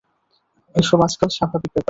এসব আজকাল স্বাভাবিক ব্যাপার।